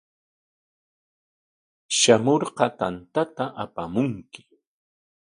Shamurqa tantata apamunki.